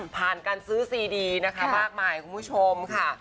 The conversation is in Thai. ผ่านการซื้อซีดีมากมายคุณผู้ชมค่ะ